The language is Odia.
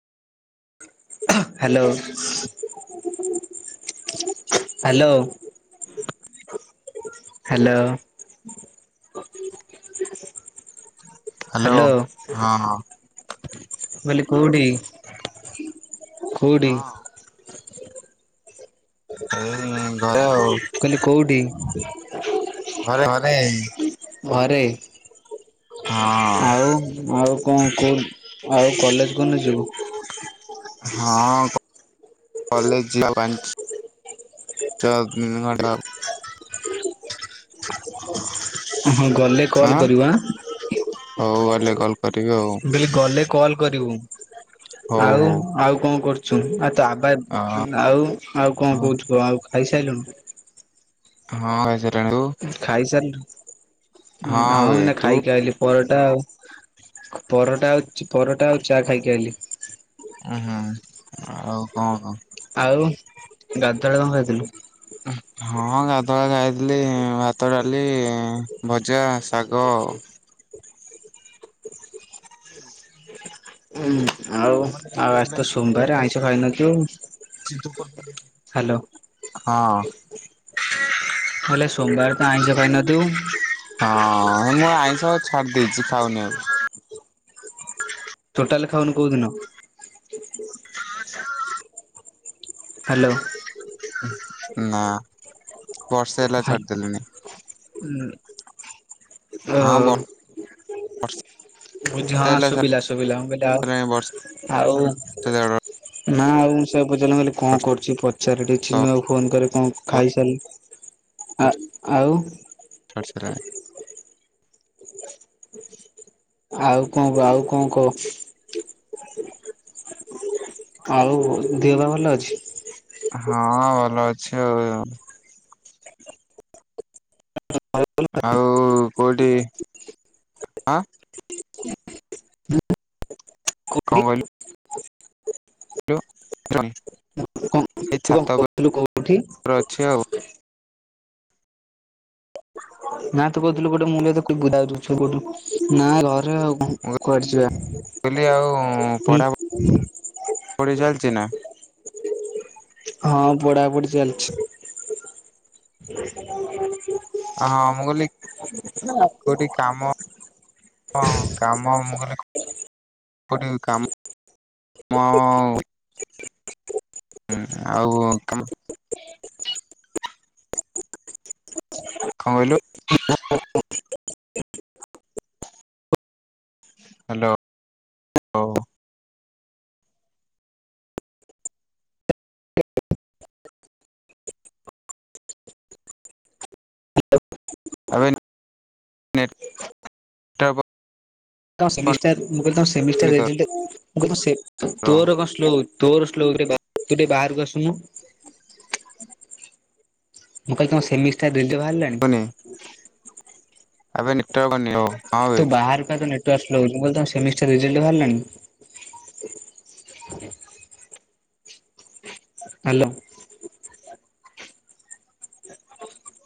Hello hello. [inaudible] ହାଲୋ ହାଲୋ ହଁ ମୁଁ କହିଲି କୋଉଠି କୋଉଠି? ହୁଁ ଘରେ ଆଉ କଉଠି? ଘରେ ଘରେ। ଘରେ ହଁ ଆଉ ଆଉ କଣ? କଉ ଆଉ କଲେଜ କୋଉଦିନ ଯିବୁ? ହଁ କ କଲେଜ ଯିବାକୁ ବାହାରିଚି। [unintelligible] ହଁ ଗଲେ କଲ୍ ହଁ କରିବୁ ଆଁ ହଉ ଗଲେ କଲ ବୋଲି ଗଲେ କଲ କରିବୁ ହଉ ଆଉ ଆଉ କଣ କରୁଛୁ? ଆ ହଉ ଭାଇ ଆଉ ଆଉ କଣ କହୁଛୁ କହ ଆଉ ଖାଇସାରିଲୁଣୁ? ହଁ ଖାଇସାରିଲିଣି ତୁ? ମୁଁ ଖାଇସାରିଲିଣି ହଁ ବେ ଏଇନା ତୁ ଖାଇକି ଆଇଲି। ପରଟା ଆଉ ପରଟା ଆଉ ପରଟା ଆଉ ଚା ଖାଇକି ଆଇଲି। ଅ ହଁ ଆଉ କଣକହ? ଆଉ ଗାଧୁଆ ବେଳେ କଣ ଖାଇଥିଲୁ? [inaudible] ହଁ ଗାଧୁଆ ବେଳେ ଖାଇଥିଲି ଭାତ ଡାଲି ଭଜା ଶାଗ ଆଉ [inaudible] ହୁଁ ଆଉ ମାନେ ଦେଖି ଆଉ ଅନଲାଇନ ଆଜିତ ଥିବ ଅନଲାଇନ ସୋମବାର ଆଇଁଷ ଆସିବନି। ଖାଇନଥିବୁ? ହାଲୋ। ହଁ। ମୁଁ କହିଲି ଆଜି ସୋମବାର ତ ଆଇଁଷ ଖାଇନଥିବୁ? ହଁ ମୁଁ ଆଇଁଷ ଆଉ ଛାଡି ଦେଇଛି ଖାଉନି ଆଉ। ଟୋଟାଲ ଖାଉନୁ କଉ ଦିନ? ହ୍ୟାଲୋ। ନା ବର୍ଷେ ହେଲା ଛାଡିଦେଲିଣିି। ହଁ ଓହୋ। ବର୍ଷେ ବୁଝି -ହଁ ହେଲା ଶୁଭିଲା ଶୁଭିଲା ମୁଁ କହିଲି ଛାଡିଦେଲିଣି ବର୍ଷେ ଆଉ ଦେଢ ତାଙ୍କୁ ପଚାରିଲି ମୁଁ କହିଲି କଣ ବର୍ଷ କରୁଛି ପଚାରେ ଟିକେ ଚିନୁଆକୁ ଫୋନ କରେ କଣ ଖାଇସାରିଲି ଆ ଆଉ। [unintelligible] ଆଉ କଣ କହ, ଆଉ କଣ କହ? ଆଉ ଦେହ ପାହ ଭଲ ଅଛି? ହଁ ଭଲ ଅଛି ଆଉ। ଆଉ କଉଠି ଆଁ? କଣ କହିଲୁ? ତୁ ଏ କଣ ଛାତ କହୁଥିଲୁ କୋଉଠି ଉପରେ ଅଛି ଆଉ। [unintelligible] କୁଆଡେ ମୁଁ ଯିବା? କହିଲି ଆଉ ହୁଁ ପଢ଼ାପଢ଼ି ଚାଲିଛି ନା? ହଁ ପଢାପଢି ଚାଲିଛି। ହଁ ମୁଁ କହିଲି କଉଠି କାମ ହଁ କାମ ମୁଁ କହିଲି [unintelligible] ହୁଁ ଆଉ କାମ କଣ କହିଲୁ? ହ୍ୟାଲୋ। [unintelligible] ଆପବେ ନେଟ [unintelligible] [unintelligible] ତୋର ତୋ ସ୍ଳୋ ହଉଚି। ର ତୁ ଟିକେ ବାହାରକୁ ଆସୁନୁ। ମୁଁ କହିଲି ତମ ସେମିଷ୍ଟାର ରେଜଲ୍ଟ ବାହାରିଲାଣି? ନାଇଁ। ଆବେ ନେଟୱାର୍କ ପାଉନି। [unintelligible] ତୁ ବାହାରକୁ ଆ ତୋ ନେଟୱର୍କ ସ୍ଳୋ ହଉଚି। ମୁଁ କହିଲି ତମ ସେମିଷ୍ଟାର ରେଜଲ୍ଟ ବାହାରିଲାଣି? ହ୍ୟାଲୋ।